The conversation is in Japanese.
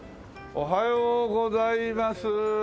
おはようございます！